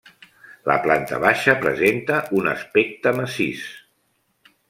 La planta baixa presenta un aspecte massís.